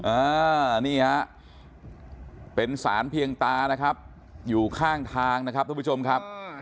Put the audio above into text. อ่านี่ฮะเป็นสารเพียงตานะครับอยู่ข้างทางนะครับทุกผู้ชมครับ